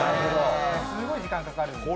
すごい時間かかるんです。